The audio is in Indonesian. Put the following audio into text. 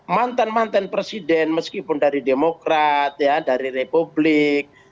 mantan mantan presiden meskipun dari demokrat dari republik